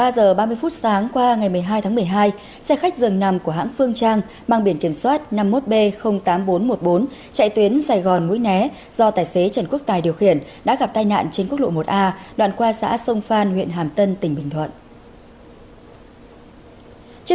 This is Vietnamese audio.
các bạn hãy đăng ký kênh để ủng hộ kênh của chúng mình nhé